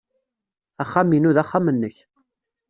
Axxam-inu d axxam-nnek.